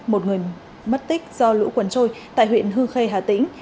một người mất tích do lũ quần trôi tại huyện hư khê hà tĩnh